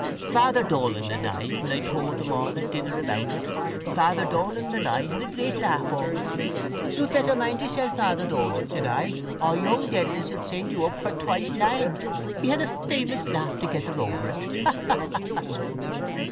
Father Dolan and I, when I told them all at dinner about it, Father Dolan and I had a great laugh over it. You better mind yourself, Father Dolan, said I, or young Dedalus will send you up for twice nine. We had a famous laugh together over it. Ha! Ha!